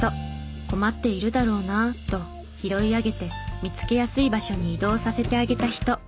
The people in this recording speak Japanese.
困っているだろうなと拾い上げて見つけやすい場所に移動させてあげた人。